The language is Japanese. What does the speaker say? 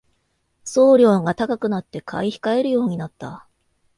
送料が高くなって買い控えるようになった